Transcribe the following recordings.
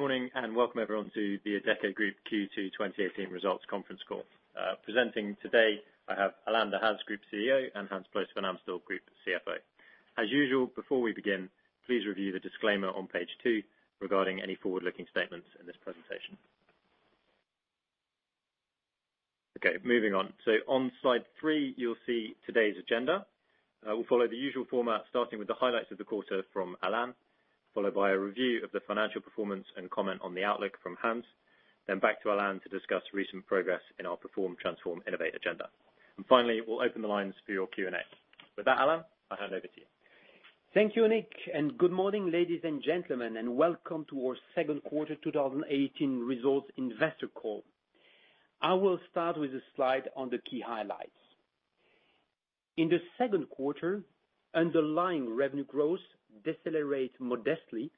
Morning, welcome, everyone, to the Adecco Group Q2 2018 results conference call. Presenting today, I have Alain Dehaze, Group CEO, and Hans Ploos van Amstel, Group CFO. As usual, before we begin, please review the disclaimer on page two regarding any forward-looking statements in this presentation. Moving on. On slide three, you will see today's agenda. We will follow the usual format, starting with the highlights of the quarter from Alain, followed by a review of the financial performance and comment on the outlook from Hans. Back to Alain to discuss recent progress in our Perform, Transform, Innovate agenda. Finally, we will open the lines for your Q&A. With that, Alain, I will hand over to you. Thank you, Nick, good morning, ladies and gentlemen, welcome to our second quarter 2018 results investor call. I will start with a slide on the key highlights. In the second quarter, underlying revenue growth decelerated modestly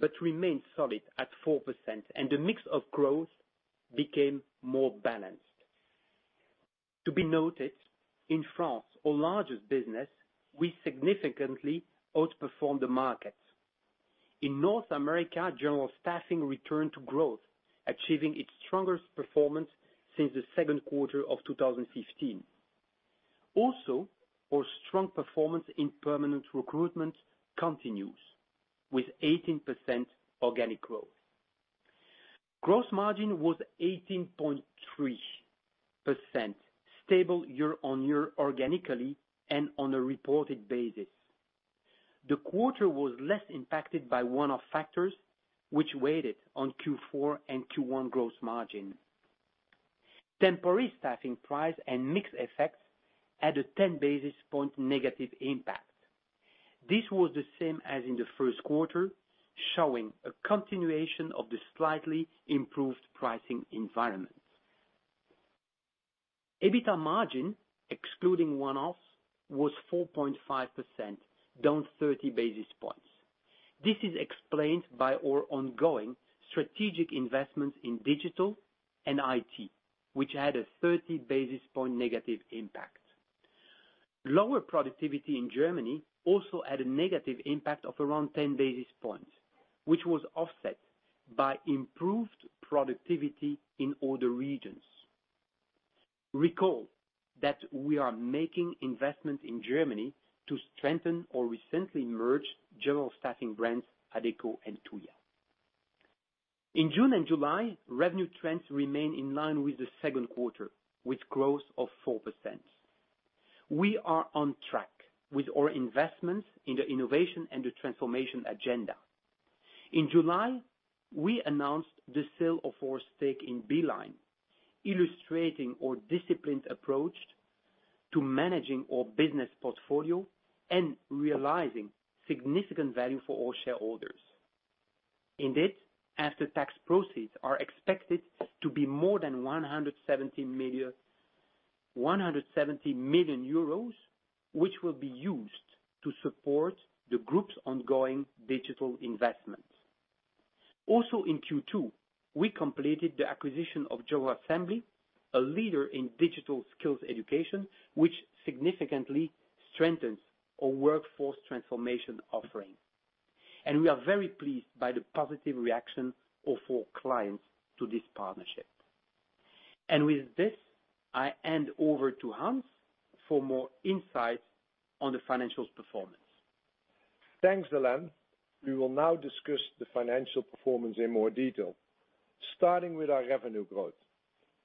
but remained solid at 4%, the mix of growth became more balanced. To be noted, in France, our largest business, we significantly outperformed the market. In North America, general staffing returned to growth, achieving its strongest performance since the second quarter of 2015. Our strong performance in permanent recruitment continues, with 18% organic growth. Gross margin was 18.3%, stable year-on-year organically and on a reported basis. The quarter was less impacted by one-off factors, which weighted on Q4 and Q1 gross margin. Temporary staffing price and mix effects had a 10-basis point negative impact. This was the same as in the first quarter, showing a continuation of the slightly improved pricing environment. EBITDA margin, excluding one-offs, was 4.5%, down 30 basis points. This is explained by our ongoing strategic investments in digital and IT, which had a 30-basis point negative impact. Lower productivity in Germany also had a negative impact of around 10 basis points, which was offset by improved productivity in other regions. Recall that we are making investments in Germany to strengthen our recently merged general staffing brands, Adecco and Tuja. In June and July, revenue trends remained in line with the second quarter, with growth of 4%. We are on track with our investments in the innovation and the transformation agenda. In July, we announced the sale of our stake in Beeline, illustrating our disciplined approach to managing our business portfolio and realizing significant value for all shareholders. Indeed, after-tax proceeds are expected to be more than 170 million, which will be used to support the Group's ongoing digital investments. In Q2, we completed the acquisition of General Assembly, a leader in digital skills education, which significantly strengthens our workforce transformation offering. We are very pleased by the positive reaction of our clients to this partnership. With this, I hand over to Hans for more insight on the financial performance. Thanks, Alain. We will now discuss the financial performance in more detail. Starting with our revenue growth.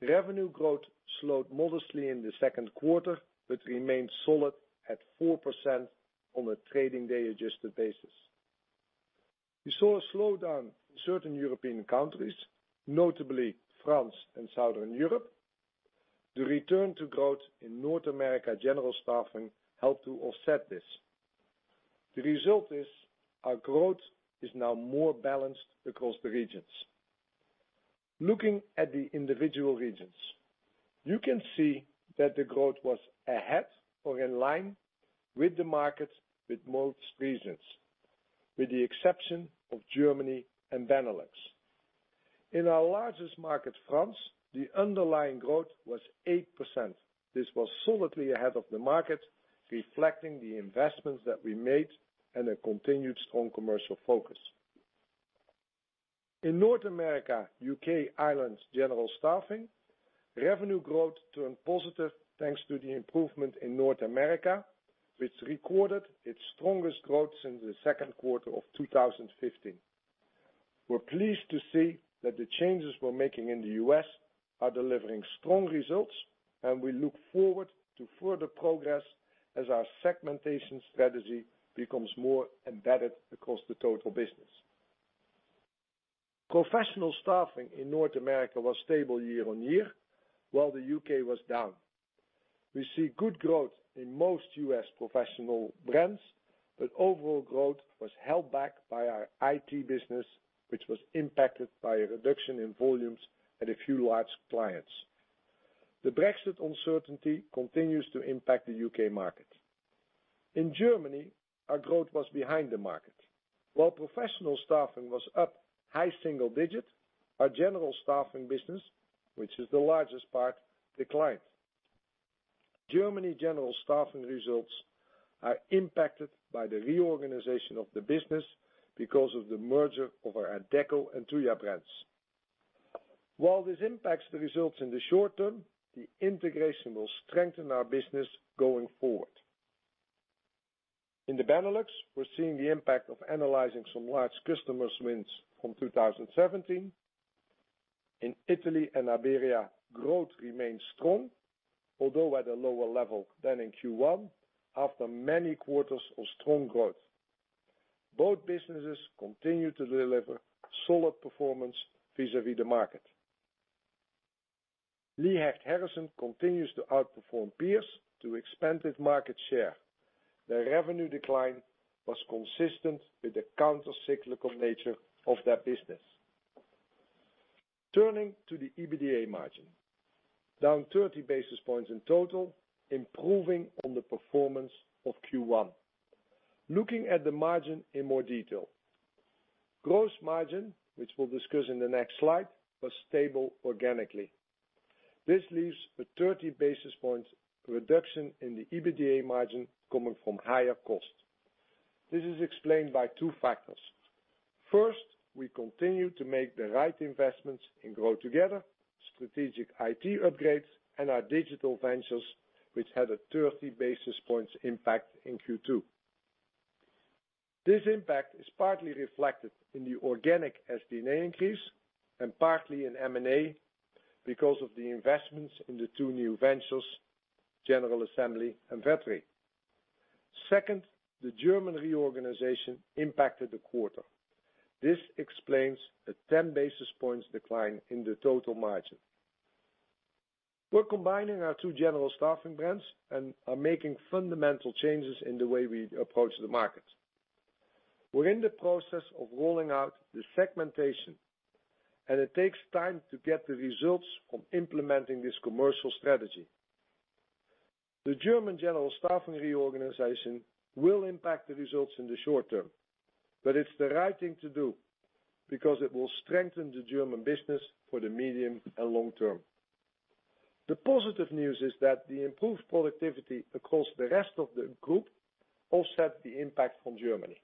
Revenue growth slowed modestly in the second quarter, but remained solid at 4% on a trading day-adjusted basis. We saw a slowdown in certain European countries, notably France and Southern Europe. The return to growth in North America general staffing helped to offset this. The result is our growth is now more balanced across the regions. Looking at the individual regions, you can see that the growth was ahead or in line with the market with most regions, with the exception of Germany and Benelux. In our largest market, France, the underlying growth was 8%. This was solidly ahead of the market, reflecting the investments that we made and a continued strong commercial focus. In North America, U.K., Ireland general staffing, revenue growth turned positive thanks to the improvement in North America, which recorded its strongest growth since the second quarter of 2015. We're pleased to see that the changes we're making in the U.S. are delivering strong results, and we look forward to further progress as our segmentation strategy becomes more embedded across the total business. Professional staffing in North America was stable year-on-year, while the U.K. was down. We see good growth in most U.S. professional brands, but overall growth was held back by our IT business, which was impacted by a reduction in volumes at a few large clients. The Brexit uncertainty continues to impact the U.K. market. In Germany, our growth was behind the market. While professional staffing was up high single digits, our general staffing business, which is the largest part, declined. Germany general staffing results are impacted by the reorganization of the business because of the merger of our Adecco and Tuja brands. While this impacts the results in the short term, the integration will strengthen our business going forward. In the Benelux, we're seeing the impact of annualizing some large customers wins from 2017. In Italy and Iberia, growth remains strong, although at a lower level than in Q1 after many quarters of strong growth. Both businesses continue to deliver solid performance vis-à-vis the market. Lee Hecht Harrison continues to outperform peers to expand its market share. Their revenue decline was consistent with the counter-cyclical nature of their business. Turning to the EBITDA margin. Down 30 basis points in total, improving on the performance of Q1. Looking at the margin in more detail. Gross margin, which we'll discuss in the next slide, was stable organically. This leaves a 30 basis points reduction in the EBITDA margin coming from higher cost. This is explained by two factors. First, we continue to make the right investments in GrowTogether, strategic IT upgrades, and our digital ventures, which had a 30 basis points impact in Q2. This impact is partly reflected in the organic SG&A increase and partly in M&A because of the investments in the two new ventures, General Assembly and Vettery. Second, the German reorganization impacted the quarter. This explains a 10 basis points decline in the total margin. We're combining our two general staffing brands and are making fundamental changes in the way we approach the market. We're in the process of rolling out the segmentation, and it takes time to get the results from implementing this commercial strategy. The German general staffing reorganization will impact the results in the short term, but it's the right thing to do because it will strengthen the German business for the medium and long term. The positive news is that the improved productivity across the rest of the group offset the impact from Germany.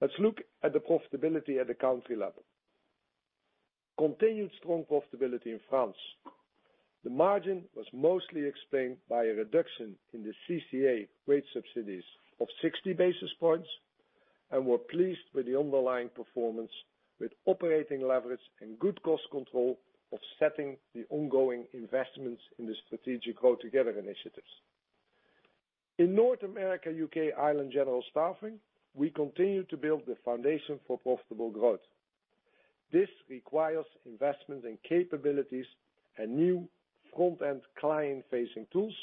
Let's look at the profitability at the country level. Continued strong profitability in France. The margin was mostly explained by a reduction in the CCA wage subsidies of 60 basis points, and we're pleased with the underlying performance with operating leverage and good cost control offsetting the ongoing investments in the strategic GrowTogether initiatives. In North America, U.K., Ireland, general staffing, we continue to build the foundation for profitable growth. This requires investment in capabilities and new front-end client-facing tools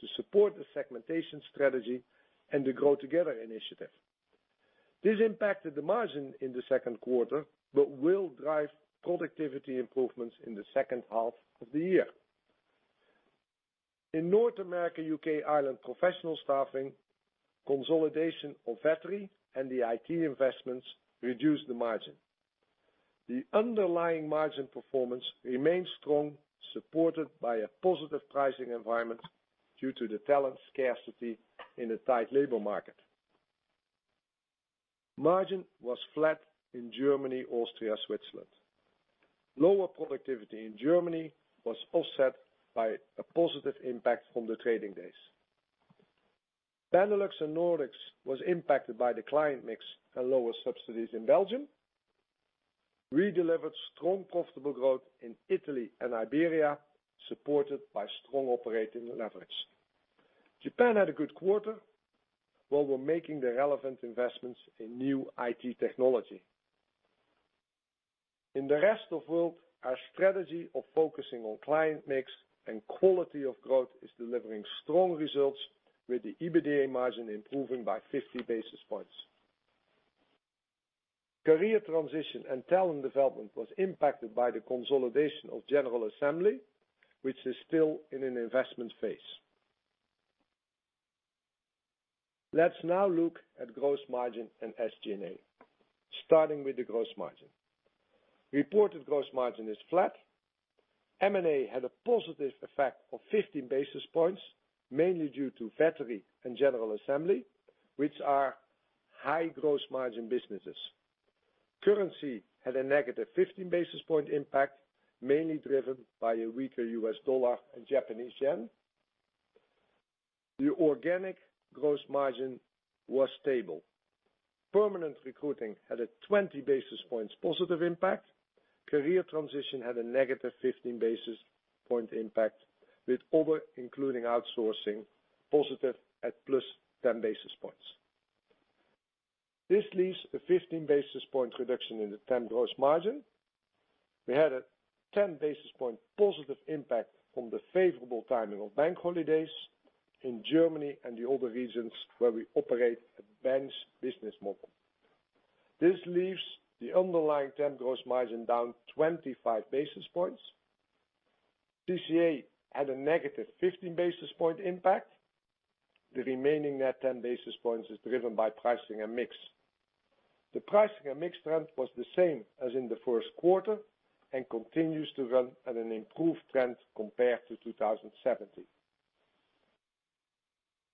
to support the segmentation strategy and the GrowTogether initiative. This impacted the margin in the second quarter but will drive productivity improvements in the second half of the year. In North America, U.K., Ireland, professional staffing, consolidation of Vettery, and the IT investments reduced the margin. The underlying margin performance remains strong, supported by a positive pricing environment due to the talent scarcity in a tight labor market. Margin was flat in Germany, Austria, Switzerland. Lower productivity in Germany was offset by a positive impact from the trading days. Benelux and Nordics was impacted by the client mix and lower subsidies in Belgium. We delivered strong, profitable growth in Italy and Iberia, supported by strong operating leverage. Japan had a good quarter, while we're making the relevant investments in new IT technology. In the rest of world, our strategy of focusing on client mix and quality of growth is delivering strong results with the EBITDA margin improving by 50 basis points. Career transition and talent development was impacted by the consolidation of General Assembly, which is still in an investment phase. Let's now look at gross margin and SG&A, starting with the gross margin. Reported gross margin is flat. M&A had a positive effect of 15 basis points, mainly due to Vettery and General Assembly, which are high gross margin businesses. Currency had a negative 15 basis point impact, mainly driven by a weaker US dollar and Japanese yen. The organic gross margin was stable. Permanent recruiting had a 20 basis points positive impact. Career transition had a negative 15 basis point impact, with other, including outsourcing, positive at plus 10 basis points. This leaves a 15 basis point reduction in the temp gross margin. We had a 10 basis point positive impact from the favorable timing of bank holidays in Germany and the other regions where we operate a bench business model. This leaves the underlying temp gross margin down 25 basis points. CCA had a negative 15 basis point impact. The remaining net 10 basis points is driven by pricing and mix. The pricing and mix trend was the same as in the first quarter and continues to run at an improved trend compared to 2017.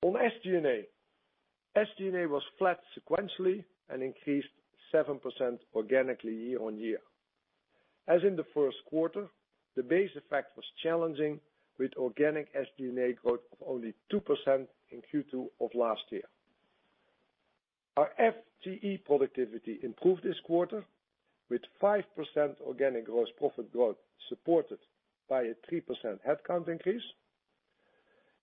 On SG&A. SG&A was flat sequentially and increased 7% organically year-on-year. As in the first quarter, the base effect was challenging with organic SG&A growth of only 2% in Q2 of last year. Our FTE productivity improved this quarter, with 5% organic gross profit growth, supported by a 3% headcount increase.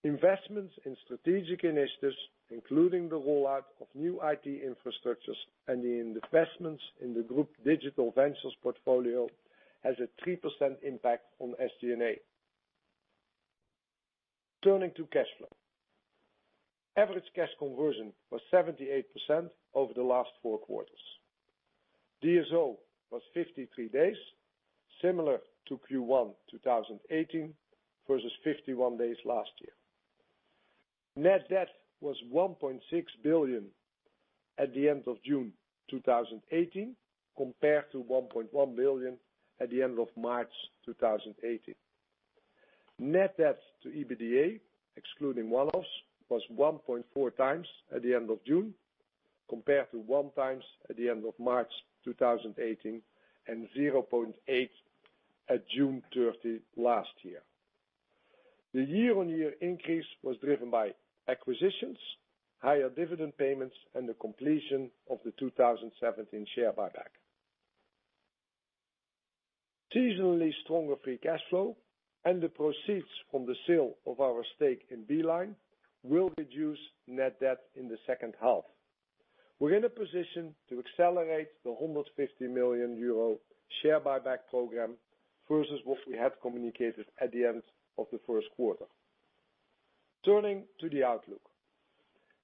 Investments in strategic initiatives, including the rollout of new IT infrastructures and the investments in the group digital ventures portfolio, has a 3% impact on SG&A. Turning to cash flow. Average cash conversion was 78% over the last four quarters. DSO was 53 days, similar to Q1 2018 versus 51 days last year. Net debt was $1.6 billion at the end of June 2018, compared to $1.1 billion at the end of March 2018. Net debt to EBITDA, excluding one-offs, was 1.4 times at the end of June, compared to one times at the end of March 2018, and 0.8 at June 30 last year. The year-over-year increase was driven by acquisitions, higher dividend payments, and the completion of the 2017 share buyback. Seasonally stronger free cash flow and the proceeds from the sale of our stake in Beeline will reduce net debt in the second half. We're in a position to accelerate the 150 million euro share buyback program versus what we had communicated at the end of the first quarter. Turning to the outlook.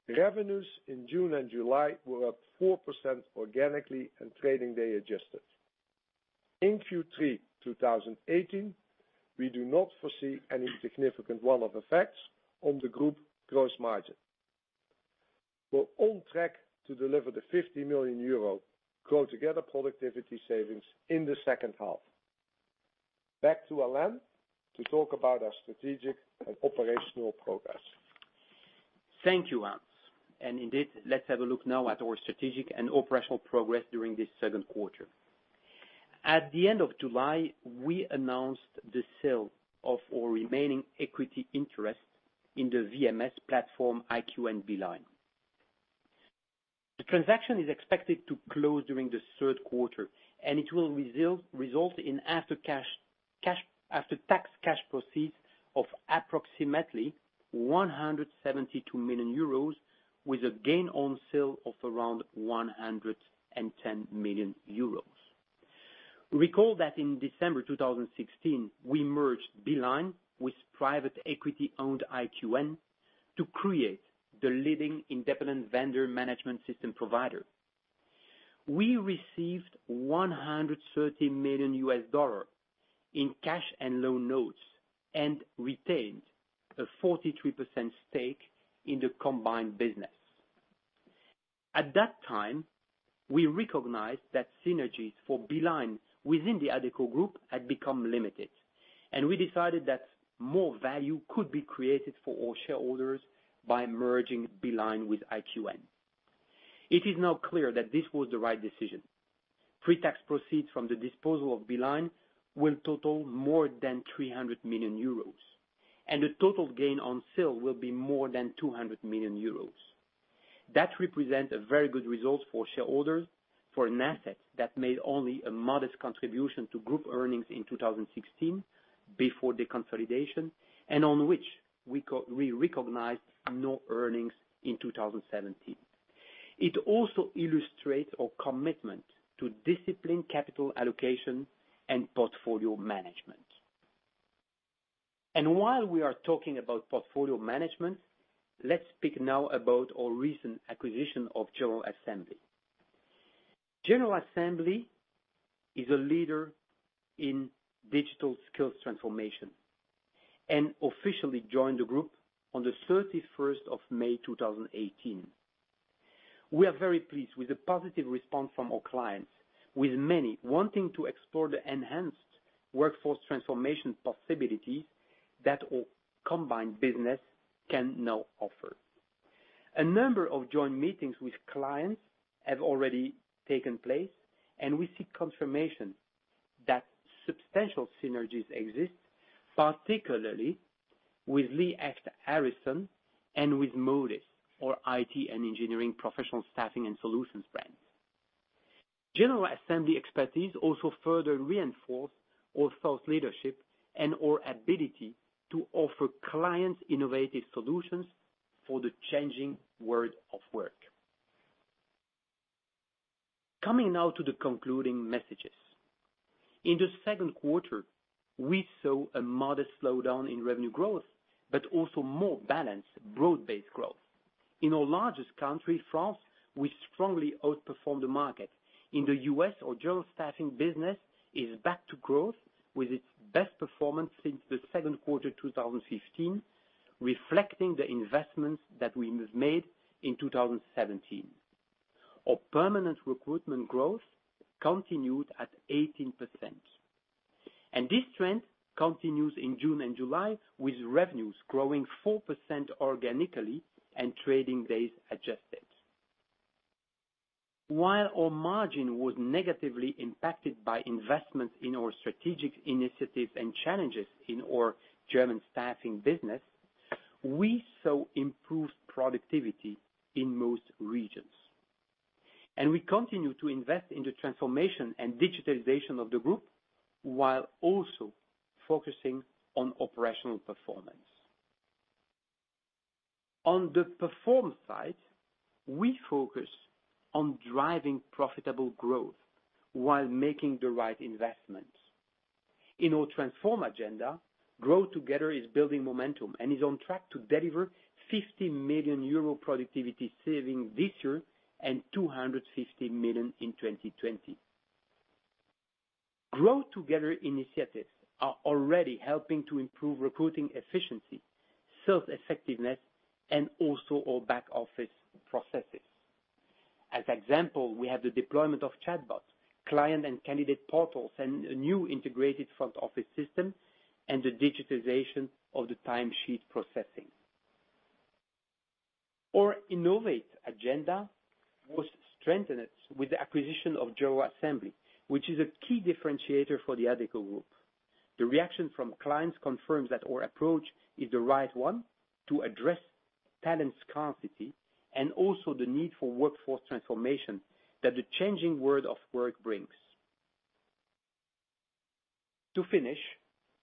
Revenues in June and July were up 4% organically and trading day adjusted. In Q3 2018, we do not foresee any significant one-off effects on the group gross margin. We're on track to deliver the 50 million euro GrowTogether productivity savings in the second half. Back to Alain to talk about our strategic and operational progress. Thank you, Hans. Indeed, let's have a look now at our strategic and operational progress during this second quarter. At the end of July, we announced the sale of our remaining equity interest in the VMS platform, IQN Beeline. The transaction is expected to close during the third quarter. It will result in after-tax cash proceeds of approximately 172 million euros, with a gain on sale of around 110 million euros. Recall that in December 2016, we merged Beeline with private equity-owned IQN to create the leading independent vendor management system provider. We received $130 million in cash and loan notes and retained a 43% stake in the combined business. At that time, we recognized that synergies for Beeline within the Adecco Group had become limited. We decided that more value could be created for our shareholders by merging Beeline with IQN. It is now clear that this was the right decision. Pre-tax proceeds from the disposal of Beeline will total more than 300 million euros. The total gain on sale will be more than 200 million euros. That represent a very good result for shareholders for an asset that made only a modest contribution to group earnings in 2016 before the consolidation, and on which we recognized no earnings in 2017. It also illustrates our commitment to disciplined capital allocation and portfolio management. While we are talking about portfolio management, let's speak now about our recent acquisition of General Assembly. General Assembly is a leader in digital skills transformation and officially joined the group on the 31st of May 2018. We are very pleased with the positive response from our clients, with many wanting to explore the enhanced workforce transformation possibilities that our combined business can now offer. A number of joint meetings with clients have already taken place. We seek confirmation that substantial synergies exist, particularly with Lee Hecht Harrison and with Modis, our IT and engineering professional staffing and solutions brands. General Assembly expertise also further reinforce our thought leadership and our ability to offer clients innovative solutions for the changing world of work. Coming now to the concluding messages. In the second quarter, we saw a modest slowdown in revenue growth, but also more balanced, broad-based growth. In our largest country, France, we strongly outperformed the market. In the U.S., our general staffing business is back to growth with its best performance since the second quarter 2015, reflecting the investments that we have made in 2017. Our permanent recruitment growth continued at 18%. This trend continues in June and July, with revenues growing 4% organically and trading days adjusted. While our margin was negatively impacted by investment in our strategic initiatives and challenges in our German staffing business, we saw improved productivity in most regions. We continue to invest in the transformation and digitalization of the group, while also focusing on operational performance. On the perform side, we focus on driving profitable growth while making the right investments. In our transform agenda, GrowTogether is building momentum and is on track to deliver 50 million euro productivity saving this year and 250 million in 2020. GrowTogether initiatives are already helping to improve recruiting efficiency, sales effectiveness, and also our back-office processes. As example, we have the deployment of chatbots, client and candidate portals, and a new integrated front-office system and the digitization of the time sheet processing. Our innovate agenda was strengthened with the acquisition of General Assembly, which is a key differentiator for the Adecco Group. The reaction from clients confirms that our approach is the right one to address talent scarcity and also the need for workforce transformation that the changing world of work brings. To finish,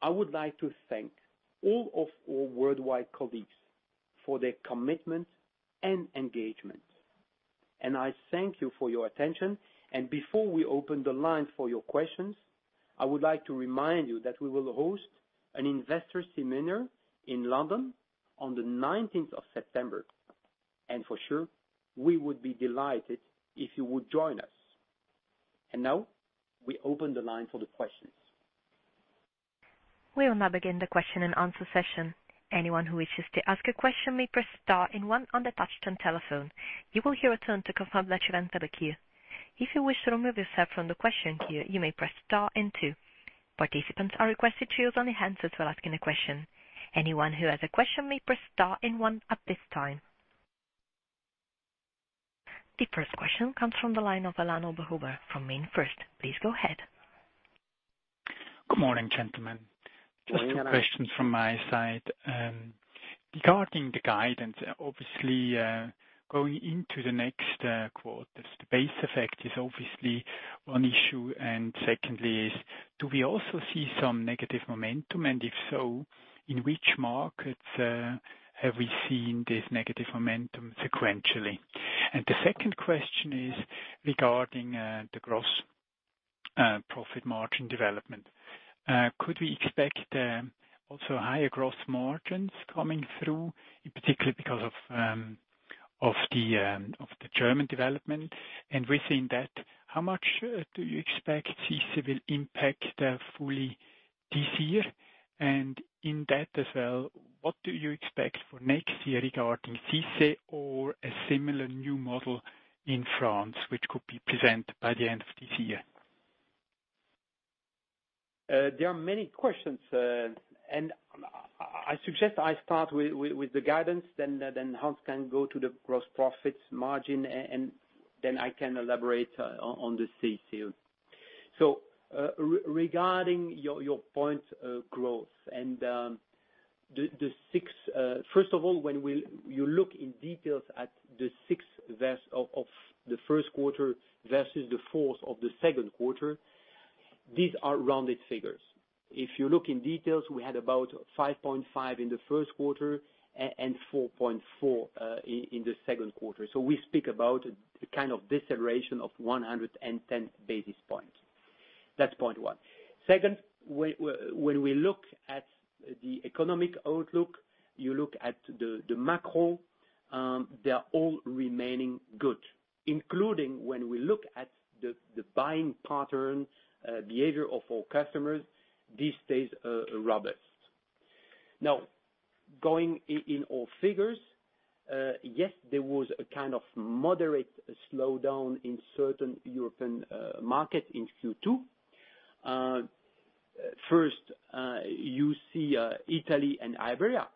I would like to thank all of our worldwide colleagues for their commitment and engagement. I thank you for your attention. Before we open the line for your questions, I would like to remind you that we will host an investor seminar in London on the 19th of September, and for sure, we would be delighted if you would join us. Now, we open the line for the questions. We will now begin the question and answer session. Anyone who wishes to ask a question may press star and one on the touchtone telephone. You will hear a tone to confirm that you have entered the queue. If you wish to remove yourself from the question queue, you may press star and two. Participants are requested to use only answers while asking a question. Anyone who has a question may press star and one at this time. The first question comes from the line of Alain Oberhuber from MainFirst. Please go ahead. Good morning, gentlemen. Good morning, Alain. Just two questions from my side. Regarding the guidance, obviously, going into the next quarters, the base effect is obviously one issue. Secondly is, do we also see some negative momentum? If so, in which markets have we seen this negative momentum sequentially? The second question is regarding the gross profit margin development. Could we expect also higher gross margins coming through, in particular because of the German development? Within that, how much do you expect CICE will impact fully this year? In that as well, what do you expect for next year regarding CICE or a similar new model in France which could be present by the end of this year? There are many questions, and I suggest I start with the guidance, then Hans can go to the gross profits margin, and then I can elaborate on the CICE. Regarding your point of growth. First of all, when you look in details at the six of the first quarter versus the fourth of the second quarter, these are rounded figures. If you look in details, we had about 5.5 in the first quarter and 4.4 in the second quarter. We speak about a kind of deceleration of 110 basis points. That's point one. Second, when we look at the economic outlook, you look at the macro, they're all remaining good, including when we look at the buying pattern behavior of our customers, this stays robust. Going in our figures, yes, there was a kind of moderate slowdown in certain European markets in Q2. You see Italy and Iberia.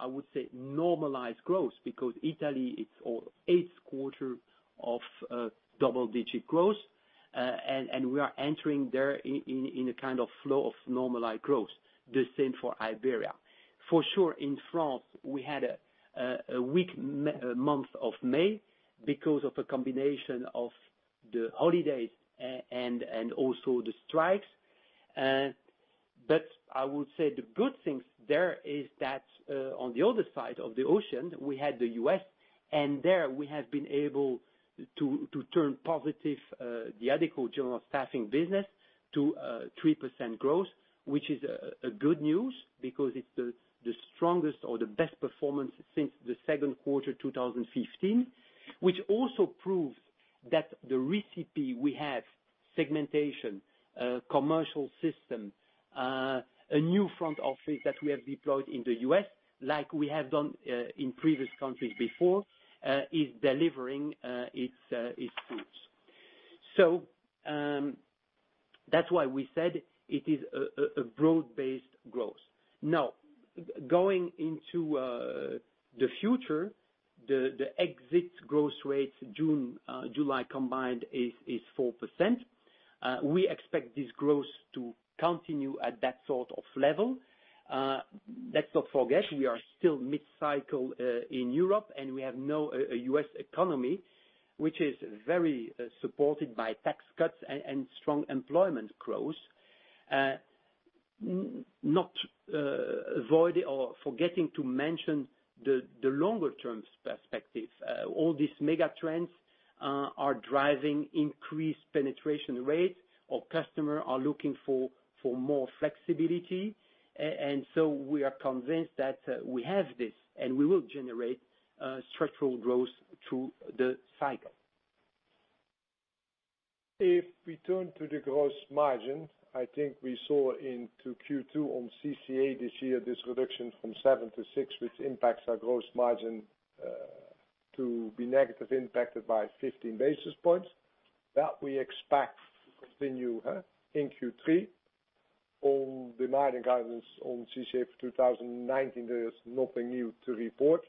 I would say normalized growth because Italy, it's our eighth quarter of double-digit growth, and we are entering there in a kind of flow of normalized growth. The same for Iberia. For sure, in France, we had a weak month of May because of a combination of the holidays and also the strikes. I would say the good things there is that on the other side of the ocean, we had the U.S., and there we have been able to turn positive the Adecco General Staffing business to 3% growth, which is a good news because it's the strongest or the best performance since the second quarter 2015. Which also proves that the recipe we have, segmentation, commercial system, a new front office that we have deployed in the U.S., like we have done in previous countries before, is delivering its fruits. That's why we said it is a broad-based growth. Going into the future, the exit growth rate July combined is 4%. We expect this growth to continue at that sort of level. Let's not forget, we are still mid-cycle in Europe, and we have now a U.S. economy which is very supported by tax cuts and strong employment growth. Not avoiding or forgetting to mention the longer-term perspective. All these mega trends are driving increased penetration rates or customer are looking for more flexibility. We are convinced that we have this, and we will generate structural growth through the cycle. If we turn to the gross margin, I think we saw into Q2 on CCA this year, this reduction from seven to six, which impacts our gross margin to be negative, impacted by 15 basis points. That we expect to continue in Q3. On the margin guidance on CCA for 2019, there is nothing new to report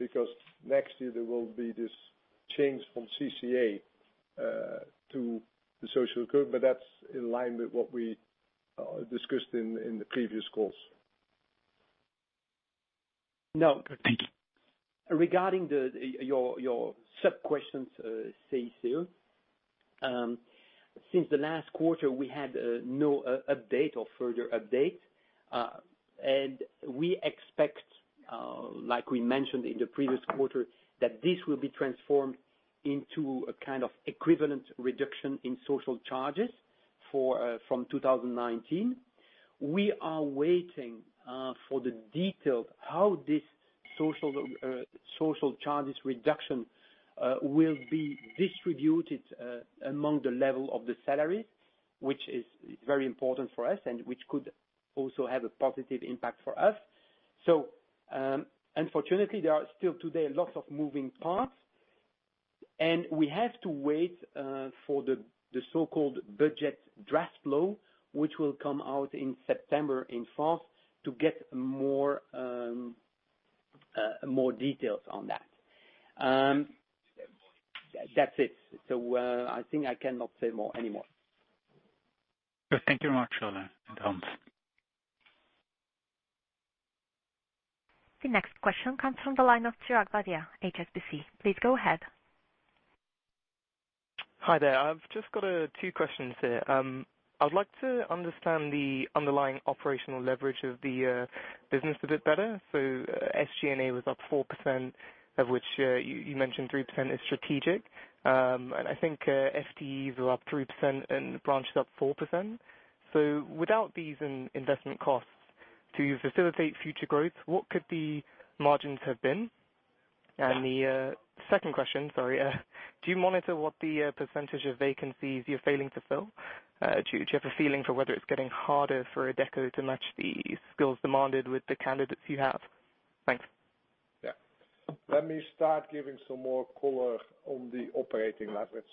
because next year there will be this change from CCA to the social group, that's in line with what we discussed in the previous calls. No. Thank you. Regarding your sub-questions, CICE, since the last quarter, we had no update or further update. We expect, like we mentioned in the previous quarter, that this will be transformed into a kind of equivalent reduction in social charges from 2019. We are waiting for the details, how this social charges reduction will be distributed among the level of the salary, which is very important for us, and which could also have a positive impact for us. Unfortunately, there are still today lots of moving parts, and we have to wait for the so-called budget draft flow, which will come out in September in France to get more details on that. That's it. I think I cannot say more anymore. Thank you much, Alain and Hans. The next question comes from the line of Chirag Bhudia, HSBC. Please go ahead. Hi there. I've just got two questions here. I would like to understand the underlying operational leverage of the business a bit better. SG&A was up 4%, of which you mentioned 3% is strategic. I think FTEs were up 3% and branches up 4%. Without these investment costs to facilitate future growth, what could the margins have been? The second question, sorry, do you monitor what the percentage of vacancies you're failing to fill? Do you have a feeling for whether it's getting harder for Adecco to match the skills demanded with the candidates you have? Thanks. Yeah. Let me start giving some more color on the operating leverage.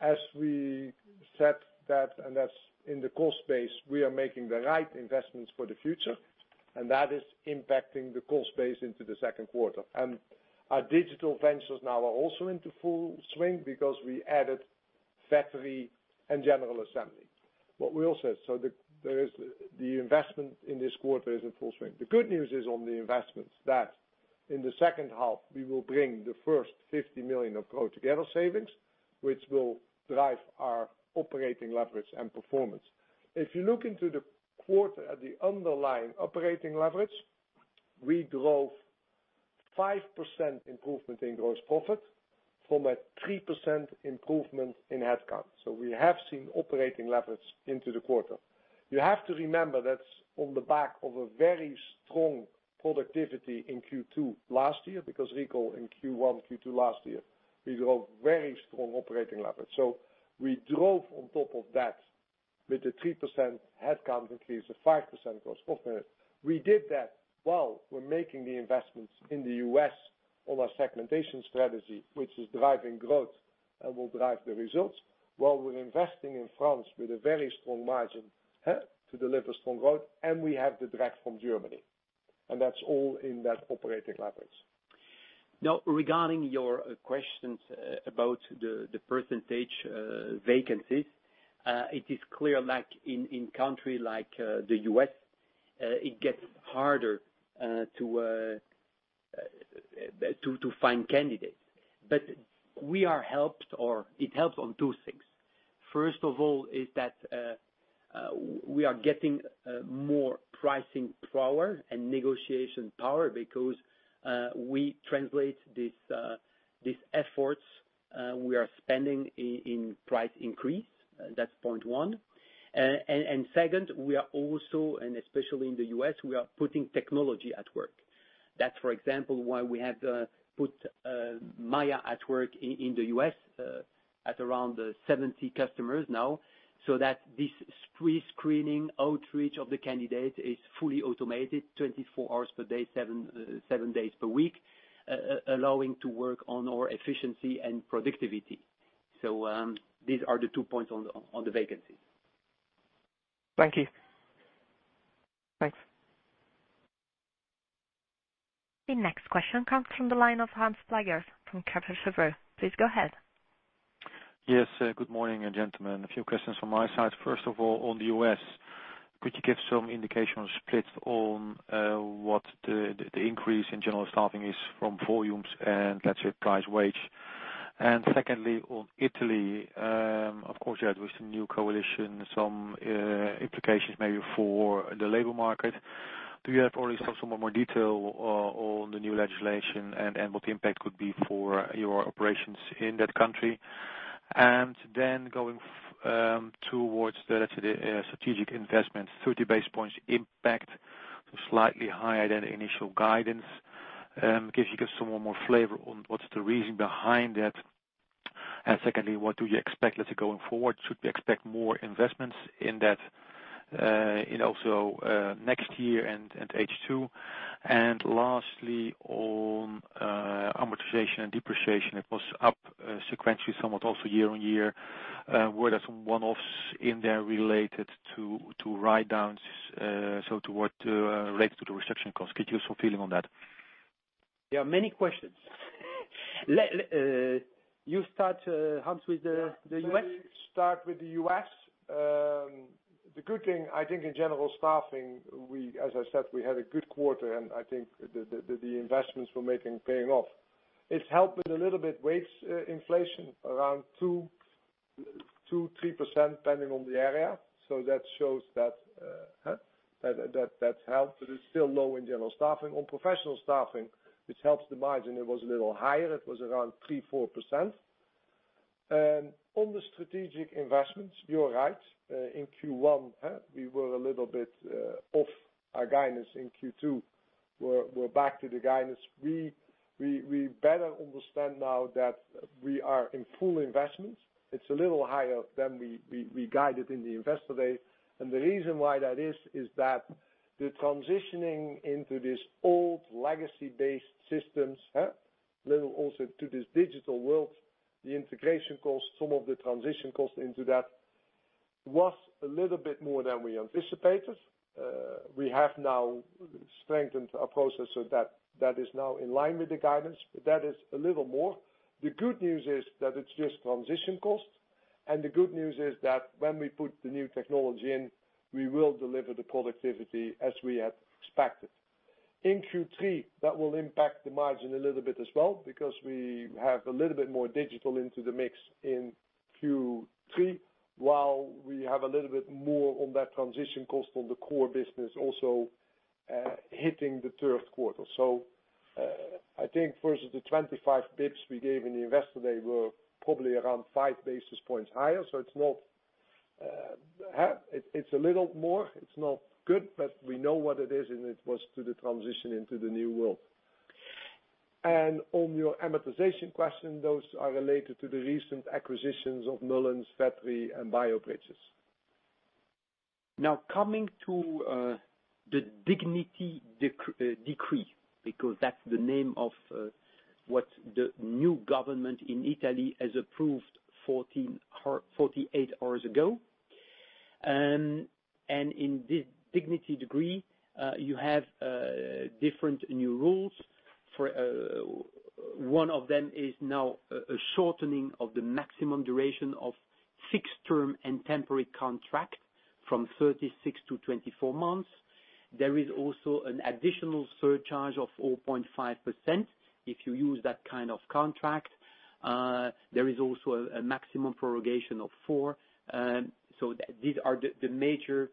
As we said that, as in the cost base, we are making the right investments for the future. That is impacting the cost base into the second quarter. Our digital ventures now are also into full swing because we added Vettery and General Assembly. What we all said. The investment in this quarter is in full swing. The good news is on the investments that in the second half, we will bring the first 50 million of GrowTogether savings, which will drive our operating leverage and performance. If you look into the quarter at the underlying operating leverage, we drove 5% improvement in gross profit from a 3% improvement in headcount. We have seen operating leverage into the quarter. You have to remember that's on the back of a very strong productivity in Q2 last year, because recall in Q1, Q2 last year, we drove very strong operating leverage. We drove on top of that with the 3% headcount increase of 5% gross profit. We did that while we're making the investments in the U.S. on our segmentation strategy, which is driving growth and will drive the results, while we're investing in France with a very strong margin to deliver strong growth, and we have the drag from Germany. That's all in that operating leverage. Now, regarding your questions about the percentage vacancies, it is clear, like in country like the U.S., it gets harder to find candidates. We are helped, or it helps on two things. First of all is that we are getting more pricing power and negotiation power because we translate these efforts we are spending in price increase. That's point one. Second, we are also, and especially in the U.S., we are putting technology at work. That's, for example, why we have put Mya at work in the U.S. at around 70 customers now, so that this pre-screening outreach of the candidate is fully automated 24 hours per day, seven days per week, allowing to work on our efficiency and productivity. These are the two points on the vacancies. Thank you. Thanks. The next question comes from the line of Hans-Peter Kläger from Credit Suisse. Please go ahead. Yes. Good morning gentlemen. A few questions from my side. First of all, on the U.S., could you give some indication on split on what the increase in general staffing is from volumes and let's say price wage? Secondly, on Italy, of course you had with the new coalition some implications maybe for the labor market. Do you have already some more detail on the new legislation and what the impact could be for your operations in that country? Then going towards the, let's say, strategic investments, 30 basis points impact, so slightly higher than initial guidance. Can you give some more flavor on what's the reason behind that? Secondly, what do you expect, let's say, going forward? Should we expect more investments in that in also next year and H2? Lastly on amortization and depreciation, it was up sequentially somewhat also year-over-year. Were there some one-offs in there related to write-downs, so related to the restructuring cost? Could you give us some feeling on that? There are many questions. You start, Hans, with the U.S.? Let me start with the U.S. The good thing, I think in general staffing, as I said, we had a good quarter, and I think the investments we're making paying off. It helped with a little bit wage inflation, around 2%-3% depending on the area. That shows that that's helped, but it's still low in general staffing. On professional staffing, which helps the margin, it was a little higher. It was around 3%-4%. On the strategic investments, you are right. In Q1, we were a little bit off our guidance. In Q2, we're back to the guidance. We better understand now that we are in full investment. It's a little higher than we guided in the Investor Day. The reason why that is that the transitioning into this old legacy based systems, little also to this digital world, the integration cost, some of the transition cost into that was a little bit more than we anticipated. We have now strengthened our process so that is now in line with the guidance, but that is a little more. The good news is that it's just transition cost. The good news is that when we put the new technology in, we will deliver the productivity as we had expected. In Q3, that will impact the margin a little bit as well, because we have a little bit more digital into the mix in Q3 while we have a little bit more on that transition cost on the core business also hitting the third quarter. I think versus the 25 basis points we gave in the Investor Day, we're probably around five basis points higher. It's a little more. It's not good, but we know what it is, and it was to the transition into the new world. On your amortization question, those are related to the recent acquisitions of Mullin, Vettery, and Beeline. Now coming to the Dignity Decree, because that's the name of what the new government in Italy has approved 48 hours ago. In this Dignity Decree, you have different new rules. One of them is now a shortening of the maximum duration of fixed term and temporary contract from 36 to 24 months. There is also an additional surcharge of 4.5% if you use that kind of contract. There is also a maximum prorogation of four. These are the major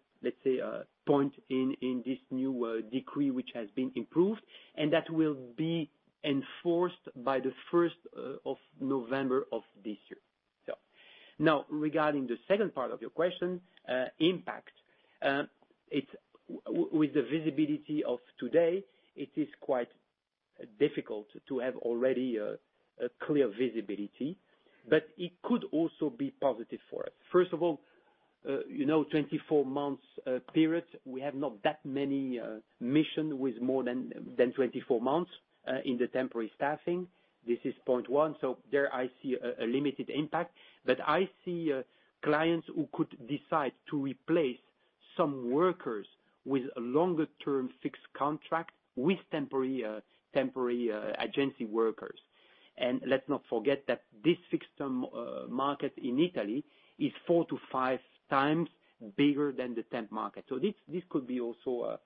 points in this new decree, which has been improved, and that will be enforced by the 1st of November of this year. Now regarding the second part of your question, impact. With the visibility of today, it is quite difficult to have already a clear visibility, but it could also be positive for us. First of all, 24-month period, we have not that many mission with more than 24 months in the temporary staffing. This is point 1. There I see a limited impact. I see clients who could decide to replace some workers with a longer term fixed contract with temporary agency workers. Let's not forget that this fixed term market in Italy is four to five times bigger than the temp market. This could be also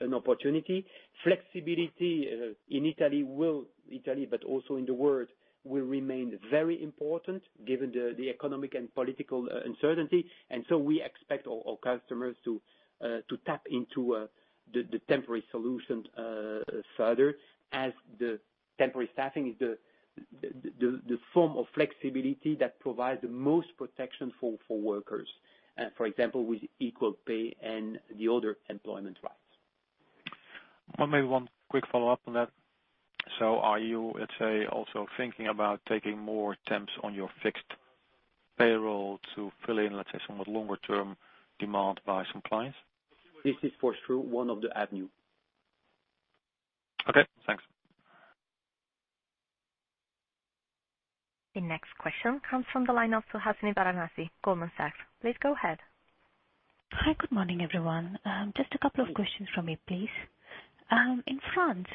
an opportunity. Flexibility in Italy, but also in the world, will remain very important given the economic and political uncertainty. We expect our customers to tap into the temporary solution further As the temporary staffing is the form of flexibility that provides the most protection for workers, for example, with equal pay and the other employment rights. Maybe one quick follow-up on that. Are you, let's say, also thinking about taking more temps on your fixed payroll to fill in, let's say, some of the longer-term demand by some clients? This is for sure one of the avenue. Okay, thanks. The next question comes from the line of Suhasini Varanasi, Goldman Sachs. Please go ahead. Hi. Good morning, everyone. Just a couple of questions from me, please. In France,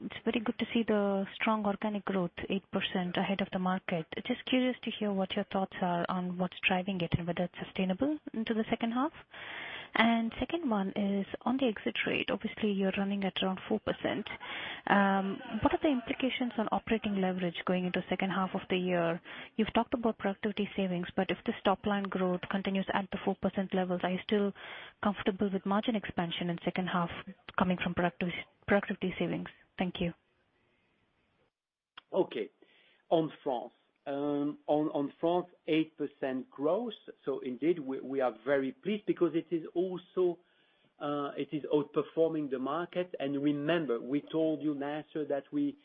it's very good to see the strong organic growth, 8% ahead of the market. Just curious to hear what your thoughts are on what's driving it and whether it's sustainable into the second half. Second one is on the exit rate. Obviously, you're running at around 4%. What are the implications on operating leverage going into second half of the year? You've talked about productivity savings, but if this top-line growth continues at the 4% levels, are you still comfortable with margin expansion in second half coming from productivity savings? Thank you. Okay, on France. On France, 8% growth. Indeed, we are very pleased because it is outperforming the market. Remember, we told you last year that we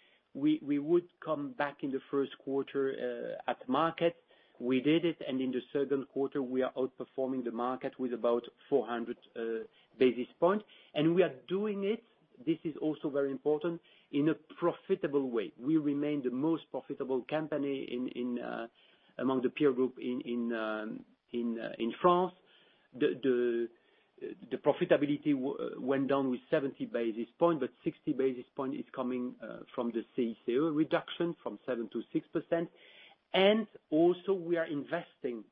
would come back in the first quarter at market. We did it, and in the second quarter, we are outperforming the market with about 400 basis points. We are doing it, this is also very important, in a profitable way. We remain the most profitable company among the peer group in France. The profitability went down with 70 basis points, but 60 basis points is coming from the CCA reduction from 7% to 6%. Also we are investing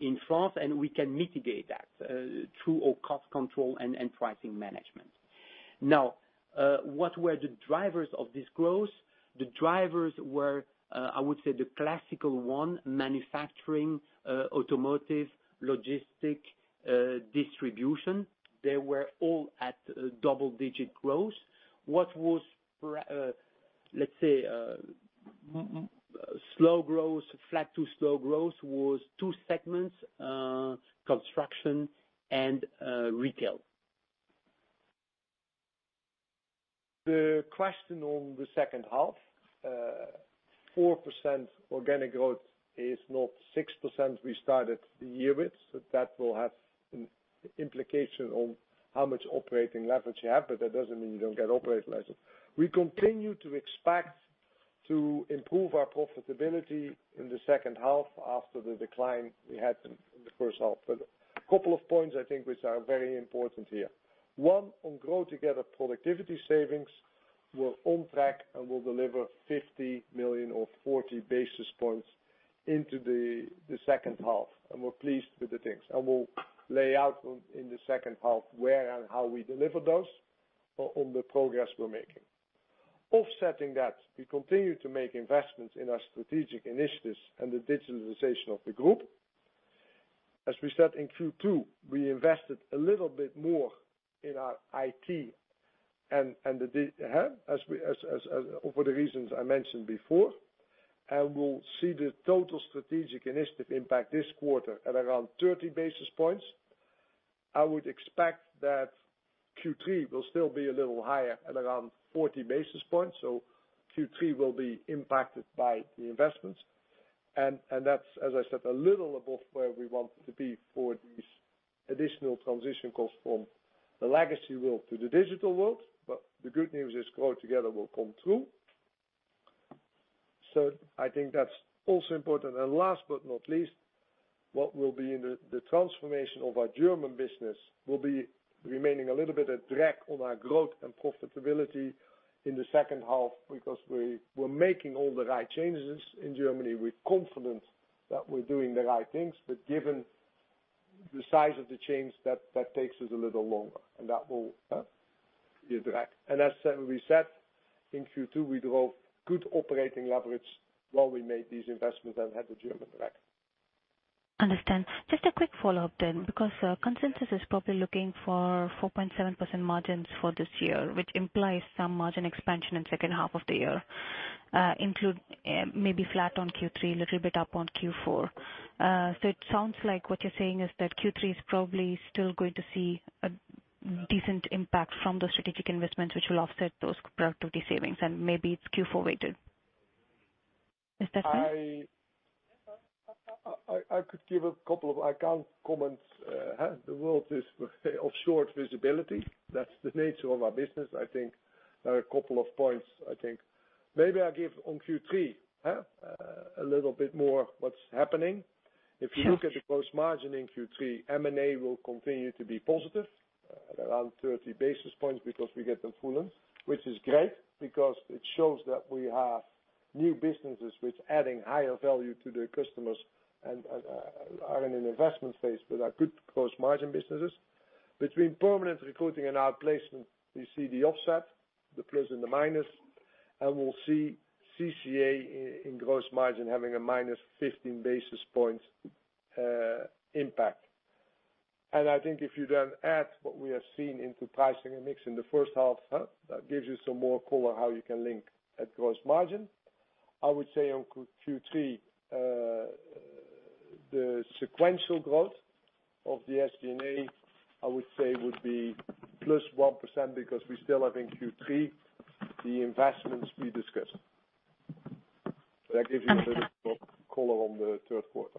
in France, and we can mitigate that through our cost control and pricing management. What were the drivers of this growth? The drivers were, I would say the classical one, manufacturing, automotive, logistics, distribution. They were all at double-digit growth. What was, let's say, slow growth, flat to slow growth was 2 segments, construction and retail. The question on the second half, 4% organic growth is not 6% we started the year with. That will have an implication on how much operating leverage you have, but that doesn't mean you don't get operating leverage. We continue to expect to improve our profitability in the second half after the decline we had in the first half. A couple of points I think which are very important here. One, on GrowTogether productivity savings, we're on track and will deliver 50 million or 40 basis points into the second half, and we're pleased with the things. We'll lay out in the second half where and how we deliver those on the progress we're making. Offsetting that, we continue to make investments in our strategic initiatives and the digitalization of the group. As we said in Q2, we invested a little bit more in our IT and the dig, as for the reasons I mentioned before. We'll see the total strategic initiative impact this quarter at around 30 basis points. I would expect that Q3 will still be a little higher at around 40 basis points. Q3 will be impacted by the investments. That's, as I said, a little above where we want to be for these additional transition costs from the legacy world to the digital world. The good news is GrowTogether will come through. I think that's also important. Last but not least, what will be in the transformation of our German business will be remaining a little bit of drag on our growth and profitability in the second half because we were making all the right changes in Germany. We're confident that we're doing the right things. Given the size of the change, that takes us a little longer, and that will be a drag. As we said in Q2, we drove good operating leverage while we made these investments and had the German drag. Understand. Just a quick follow-up then, because consensus is probably looking for 4.7% margins for this year, which implies some margin expansion in second half of the year, include maybe flat on Q3, little bit up on Q4. It sounds like what you're saying is that Q3 is probably still going to see a decent impact from those strategic investments, which will offset those productivity savings, and maybe it's Q4 weighted. Is that fair? I could give a couple of account comments. The world is of short visibility. That's the nature of our business. There are a couple of points. I give on Q3 a little bit more what's happening. If you look at the gross margin in Q3, M&A will continue to be positive at around 30 basis points because we get them full in, which is great because it shows that we have new businesses which adding higher value to their customers and are in an investment phase but are good gross margin businesses. Between permanent recruiting and outplacement, we see the offset, the plus and the minus, and we'll see CCA in gross margin having a minus 15 basis points impact. I think if you then add what we have seen into pricing and mix in the first half, that gives you some more color how you can link at gross margin. On Q3, the sequential growth of the SG&A, I would say would be +1% because we still have, in Q3, the investments we discussed. That gives you a little bit more color on the third quarter.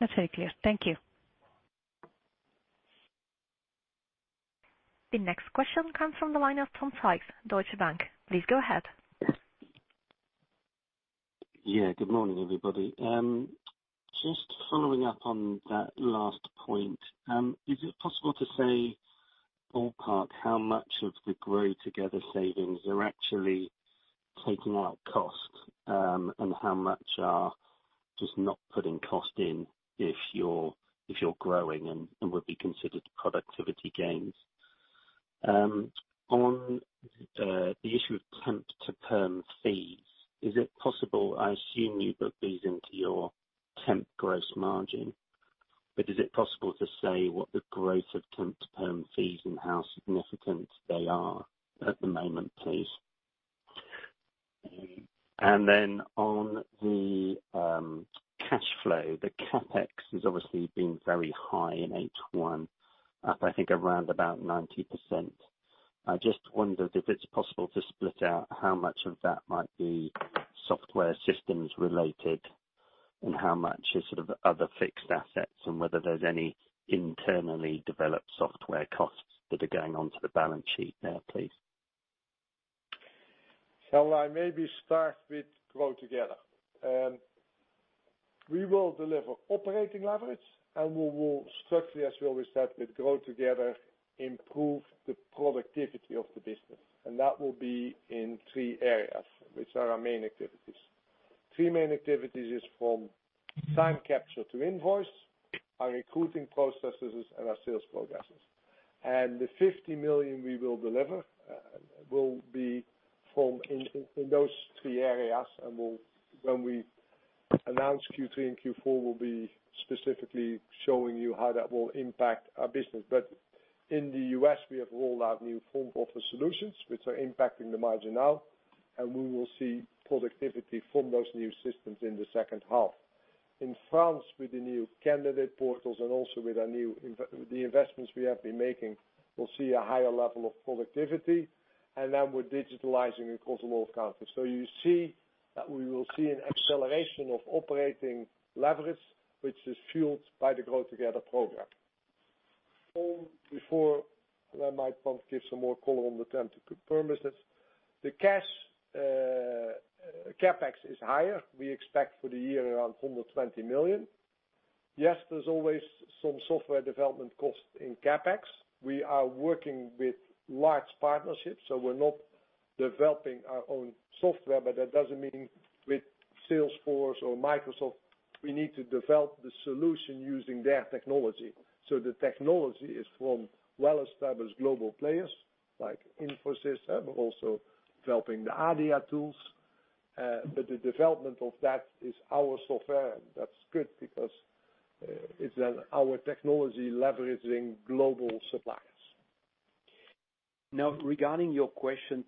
That's very clear. Thank you. The next question comes from the line of Tom Sykes, Deutsche Bank. Please go ahead. Good morning, everybody. Just following up on that last point. Is it possible to say, ballpark, how much of the GrowTogether savings are actually taking out cost, and how much are just not putting cost in if you're growing and would be considered productivity gains? On the issue of temp-to-perm fees, I assume you book these into your temp gross margin. Is it possible to say what the growth of temp-to-perm fees and how significant they are at the moment, please? On the cash flow, the CapEx has obviously been very high in H1, up, I think, around about 90%. I just wondered if it's possible to split out how much of that might be software systems related, and how much is sort of other fixed assets, and whether there's any internally developed software costs that are going onto the balance sheet now, please. Shall I maybe start with Grow Together. We will deliver operating leverage, we will structurally, as we always said, with Grow Together, improve the productivity of the business. That will be in three areas, which are our main activities. Three main activities is from time capture to invoice, our recruiting processes, and our sales processes. The 50 million we will deliver will be from in those three areas. When we announce Q3 and Q4, we'll be specifically showing you how that will impact our business. In the U.S., we have rolled out new front office solutions, which are impacting the margin now, and we will see productivity from those new systems in the second half. In France, with the new candidate portals and also with the investments we have been making, we'll see a higher level of productivity. Then we're digitalizing across all countries. You see that we will see an acceleration of operating leverage, which is fueled by the Grow Together program. Tom, before I might give some more color on the temp-to-perm business. The CapEx is higher. We expect for the year around 120 million. Yes, there's always some software development cost in CapEx. We are working with large partnerships, so we're not developing our own software, but that doesn't mean with Salesforce or Microsoft, we need to develop the solution using their technology. The technology is from well-established global players like Infosys, who are also developing the Adia tools. But the development of that is our software, and that's good because it's our technology leveraging global suppliers. Regarding your question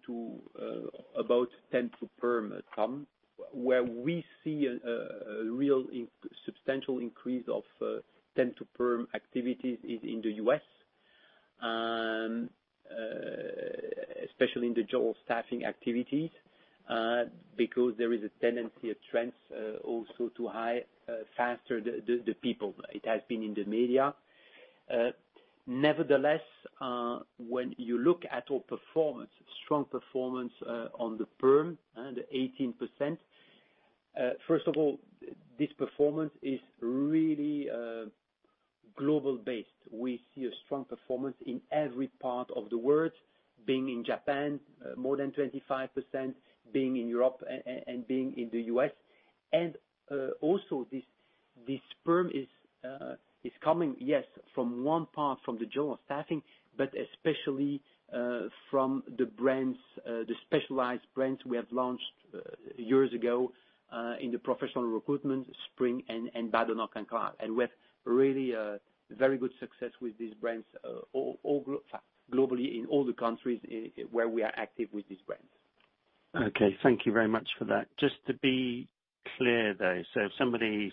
about temp-to-perm, Tom, where we see a real substantial increase of temp-to-perm activities is in the U.S., especially in the general staffing activities, because there is a tendency, a trend, also to hire faster the people. It has been in the media. Nevertheless, when you look at our performance, strong performance on the perm, the 18%. First of all, this performance is really global based. We see a strong performance in every part of the world, being in Japan more than 25%, being in Europe and being in the U.S. Also, this perm is coming, yes, from one part, from the general staffing, but especially from the specialized brands we have launched years ago in the professional recruitment, Spring and Badenoch & Clark. We have really very good success with these brands globally in all the countries where we are active with these brands. Okay. Thank you very much for that. Just to be clear, though. If somebody's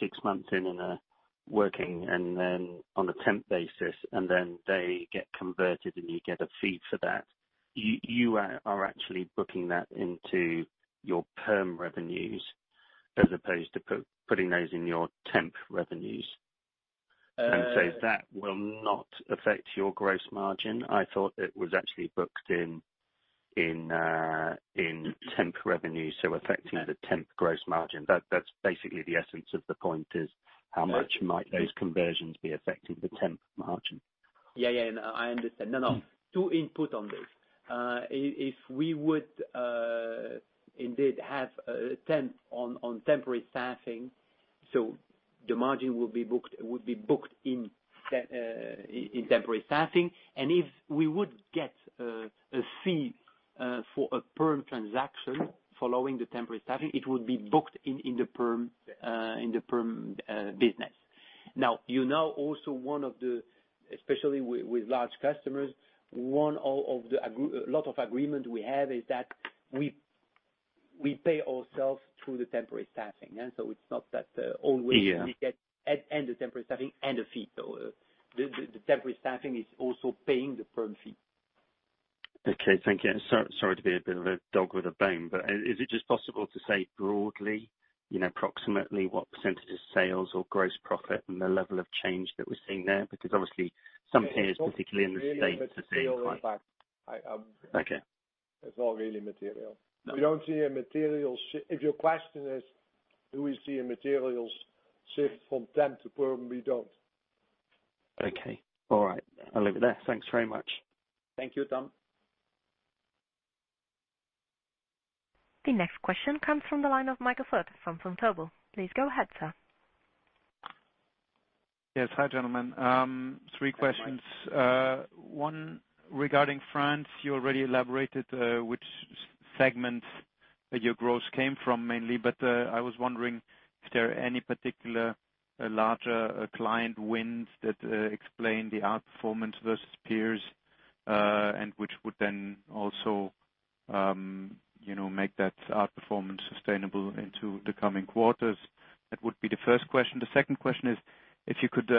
six months in and are working, and then on a temp basis, and then they get converted, and you get a fee for that, you are actually booking that into your perm revenues as opposed to putting those in your temp revenues. That will not affect your gross margin. I thought it was actually booked in temp revenue, so affecting the temp gross margin. That's basically the essence of the point is how much might those conversions be affecting the temp margin? Yeah. I understand. No. Two input on this. If we would indeed have temp on temporary staffing, so the margin would be booked in temporary staffing. If we would get a fee for a perm transaction following the temporary staffing, it will be booked in the perm business. You know also, especially with large customers, a lot of agreement we have is that we pay ourselves through the temporary staffing. It's not that always- Yeah we get, and the temporary staffing and a fee. The temporary staffing is also paying the perm fee. Okay. Thank you. Sorry to be a bit of a dog with a bone, is it just possible to say broadly, approximately what % of sales or gross profit and the level of change that we're seeing there? Because obviously some peers, particularly in the States, are saying quite- It's not really material. Okay. It's not really material. No. We don't see a material shift. If your question is do we see a material shift from temp to perm, we don't. Okay. All right. I'll leave it there. Thanks very much. Thank you, Tom. The next question comes from the line of Michael Foeth from Vontobel. Please go ahead, sir. Yes. Hi, gentlemen. Hi, Michael. Three questions. One regarding France, you already elaborated which segment your growth came from mainly, I was wondering if there are any particular larger client wins that explain the outperformance versus peers, which would then also make that outperformance sustainable into the coming quarters. That would be the first question. The second question is, if you could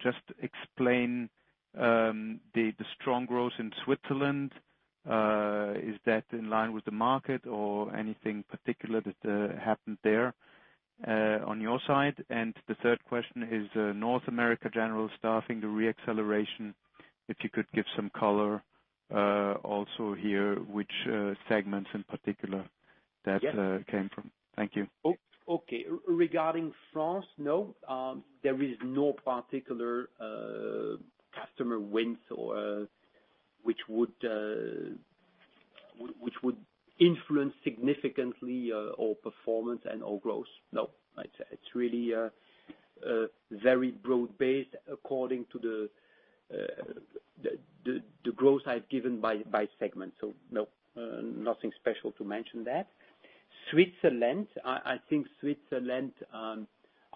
just explain the strong growth in Switzerland, is that in line with the market or anything particular that happened there on your side? The third question is, North America General Staffing, the re-acceleration, if you could give some color, also here, which segments in particular. Yes came from. Thank you. Regarding France, no, there is no particular customer wins which would influence significantly our performance and our growth. No. It's really very broad-based according to the growth I've given by segment. No, nothing special to mention there. Switzerland, I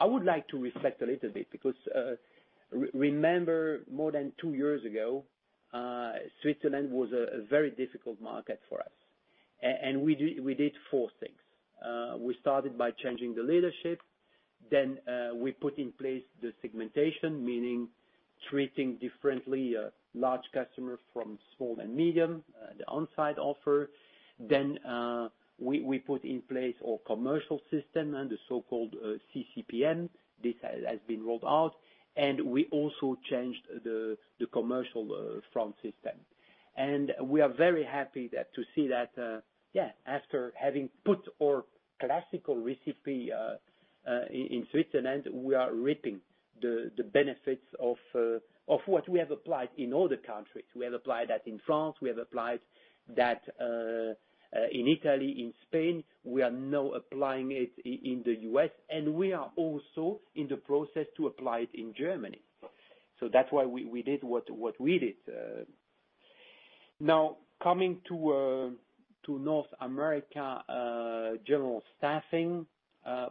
would like to reflect a little bit because, remember more than two years ago, Switzerland was a very difficult market for us. We did four things. We started by changing the leadership. We put in place the segmentation, meaning treating differently a large customer from small and medium, the on-site offer. We put in place our commercial system and the so-called CCPN. This has been rolled out. We also changed the commercial front system. We are very happy to see that after having put our classical recipe, in Switzerland, we are reaping the benefits of what we have applied in other countries. We have applied that in France. We have applied that in Italy, in Spain. We are now applying it in the U.S., we are also in the process to apply it in Germany. That's why we did what we did. Coming to North America, General Staffing,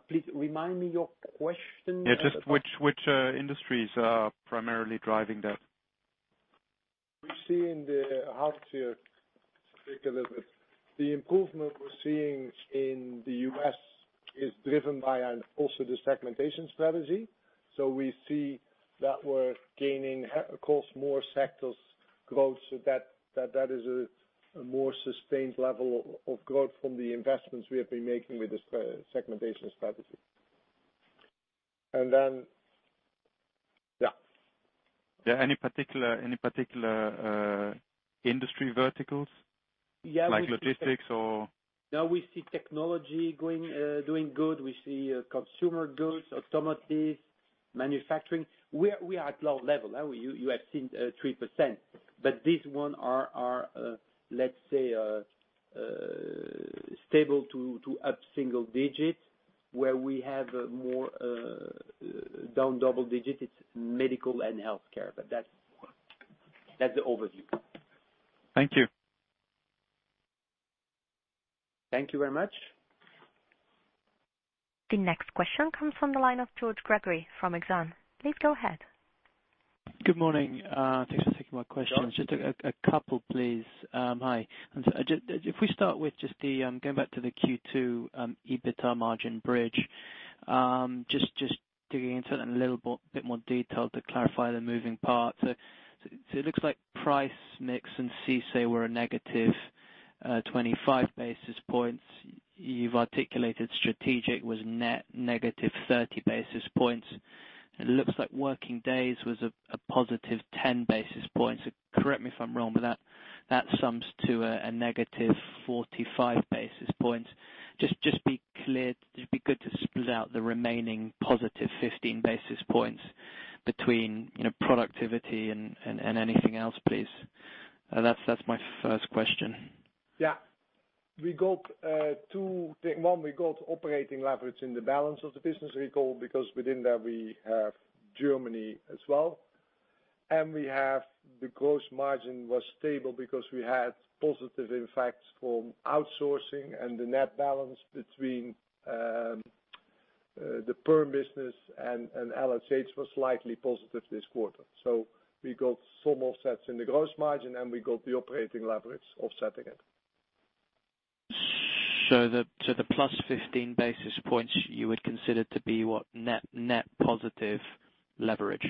please remind me your question. Yeah, just which industries are primarily driving that. We see. The improvement we're seeing in the U.S. is driven by, and also the segmentation strategy. We see that we're gaining, of course, more sectors growth. That is a more sustained level of growth from the investments we have been making with the segmentation strategy. Yeah. Yeah. Any particular industry verticals? Yeah. Like logistics or No, we see technology doing good. We see consumer goods, automotive, manufacturing. We are at low level. You have seen 3%. This one are, let's say, stable to up single digit where we have more down double digit, it's medical and healthcare. That's the overview. Thank you. Thank you very much. The next question comes from the line of Andy Grobler from Exane. Please go ahead. Good morning. Thanks for taking my questions. Just a couple, please. Hi. If we start with just going back to the Q2 EBITDA margin bridge. Just digging into it in a little bit more detail to clarify the moving parts. It looks like price mix and SISA were a negative 25 basis points. You've articulated strategic was net negative 30 basis points. It looks like working days was a positive 10 basis points. Correct me if I'm wrong, but that sums to a negative 45 basis points. Just be clear, it'd be good to split out the remaining positive 15 basis points between productivity and anything else, please. That's my first question. Yeah. One, we got operating leverage in the balance of the business, recall because within that we have Germany as well. The gross margin was stable because we had positive effects from outsourcing and the net balance between the perm business and LHH was slightly positive this quarter. We got some offsets in the gross margin, and we got the operating leverage offsetting it. The +15 basis points you would consider to be what, net positive leverage?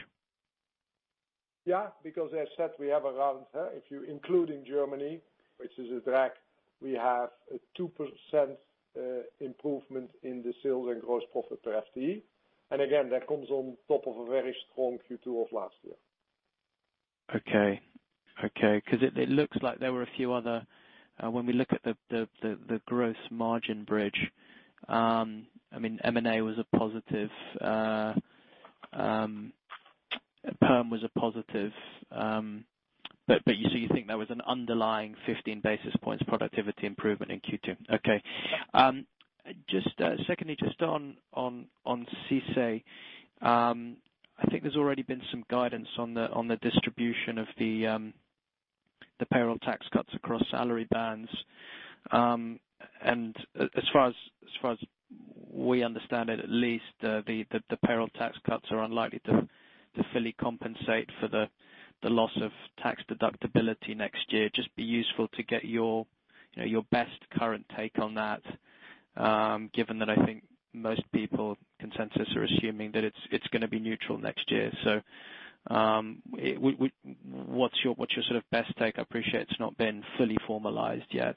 Yeah, because as I said, we have around, if you're including Germany, which is a drag, we have a 2% improvement in the sales and gross profit per FTE. Again, that comes on top of a very strong Q2 of last year. Okay. It looks like there were When we look at the gross margin bridge, M&A was a positive, perm was a positive. You think there was an underlying 15 basis points productivity improvement in Q2. Okay. Secondly, just on CICE. I think there's already been some guidance on the distribution of the payroll tax cuts across salary bands. As far as we understand it, at least, the payroll tax cuts are unlikely to fully compensate for the loss of tax deductibility next year. It'd just be useful to get your best current take on that, given that I think most people, consensus, are assuming that it's going to be neutral next year. What's your best take? I appreciate it's not been fully formalized yet.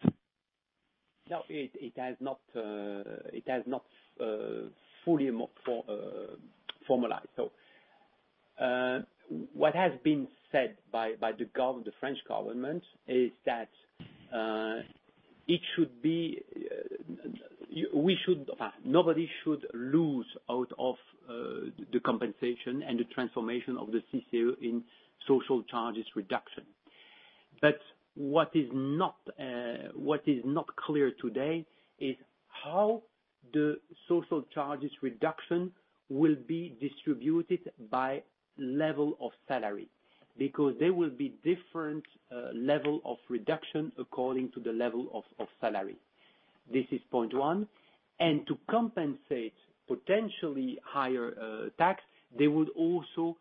No, it has not fully formalized. What has been said by the French government is that nobody should lose out of the compensation and the transformation of the CICE in social charges reduction. What is not clear today is how the social charges reduction will be distributed by level of salary, because there will be different level of reduction according to the level of salary. This is point 1. To compensate potentially higher tax, they will also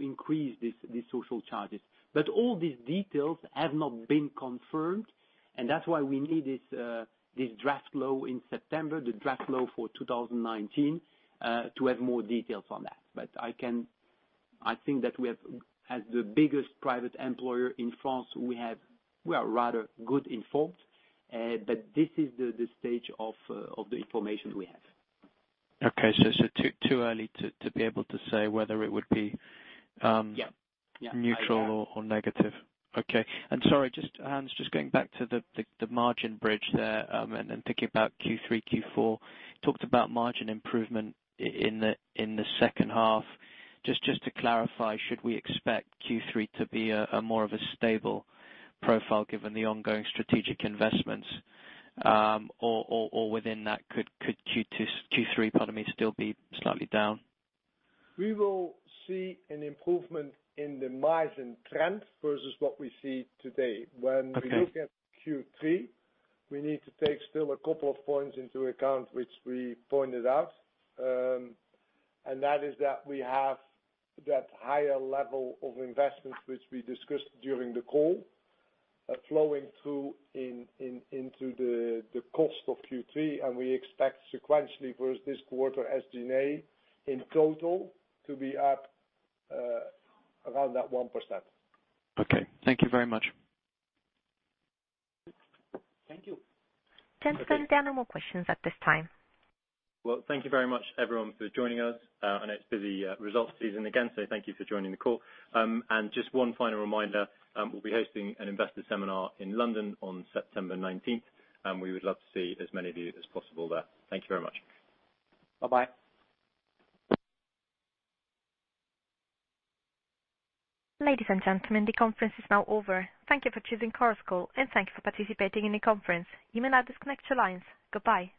increase these social charges. All these details have not been confirmed, and that's why we need this draft law in September, the draft law for 2019, to have more details on that. I think that as the biggest private employer in France, we are rather good informed. This is the stage of the information we have. Okay. Too early to be able to say whether it would be- Yeah. -neutral or negative. Okay. Sorry, Hans, just going back to the margin bridge there, and thinking about Q3, Q4, you talked about margin improvement in the second half. Just to clarify, should we expect Q3 to be more of a stable profile given the ongoing strategic investments? Or within that, could Q3, pardon me, still be slightly down? We will see an improvement in the margin trend versus what we see today. Okay. When we look at Q3, we need to take still a couple of points into account, which we pointed out. That is that we have that higher level of investments, which we discussed during the call, flowing through into the cost of Q3, and we expect sequentially versus this quarter as SG&A in total to be up around that 1%. Okay. Thank you very much. Thank you. Gentlemen, there are no more questions at this time. Well, thank you very much, everyone, for joining us. I know it's busy results season again, so thank you for joining the call. Just one final reminder, we'll be hosting an investor seminar in London on September 19th, and we would love to see as many of you as possible there. Thank you very much. Bye-bye. Ladies and gentlemen, the conference is now over. Thank you for choosing Chorus Call, and thank you for participating in the conference. You may now disconnect your lines. Goodbye.